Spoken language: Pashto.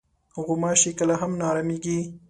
غوماشې کله هم نه ارامېږي.